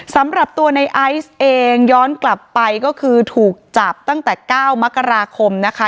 สำหรับตัวในไอซ์เองย้อนกลับไปก็คือถูกจับตั้งแต่๙มกราคมนะคะ